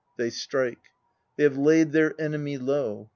(They strike.) They have laid their enemy low.